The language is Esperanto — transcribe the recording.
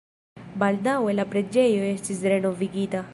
Baldaŭe la preĝejo estis renovigita.